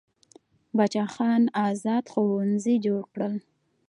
باچا خان ازاد ښوونځي جوړ کړل.